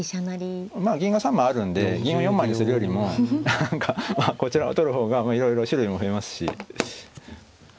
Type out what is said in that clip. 銀が３枚あるんで銀を４枚にするよりもこちらを取る方がいろいろ種類も増えますし。